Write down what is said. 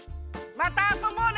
またあそぼうね！